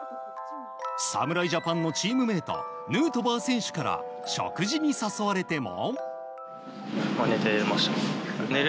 侍ジャパンのチームメートヌートバー選手から食事に誘われても。